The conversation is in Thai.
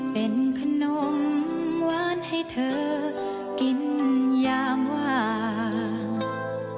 เป็นขนมหวานให้เธอกินยามว่าง